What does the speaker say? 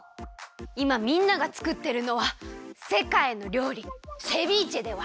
いまみんながつくってるのはせかいのりょうりセビーチェでは？